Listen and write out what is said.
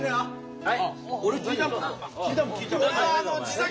はい！